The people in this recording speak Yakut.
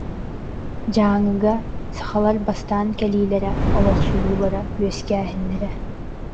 Дьааҥыга сахалар бастаан кэлиилэрэ, олохсуйуулара, үөскээһиннэрэ